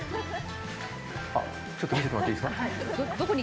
ちょっと見せてもらっていいですか。